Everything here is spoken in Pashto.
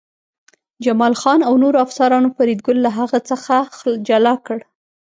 جمال خان او نورو افسرانو فریدګل له هغه څخه جلا کړ